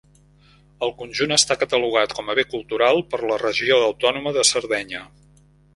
El conjunt està catalogat com a Bé Cultural per la Regió Autònoma de Sardenya.